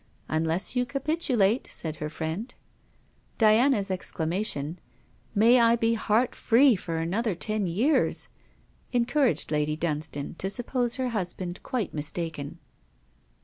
'Unless you capitulate,' said her friend. Diana's exclamation: 'May I be heart free for another ten years!' encouraged Lady Dunstane to suppose her husband quite mistaken.